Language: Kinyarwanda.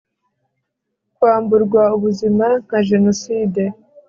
kwamburwa ubuzima nka jenoside